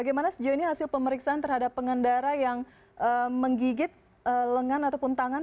bagaimana sejauh ini hasil pemeriksaan terhadap pengendara yang menggigit lengan ataupun tangan